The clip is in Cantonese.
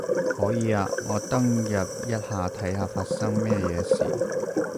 可以啊，我登入一下睇下發生乜嘢事